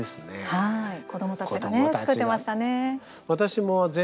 はい、子どもたちが作っていましたね。